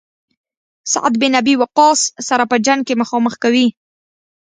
سعد بن ابي وقاص سره په جنګ کې مخامخ کوي.